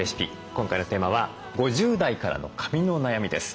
今回のテーマは５０代からの髪の悩みです。